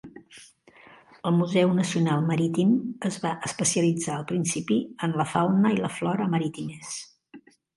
El Museu Nacional Marítim es va especialitzar al principi en la fauna i la flora marítimes.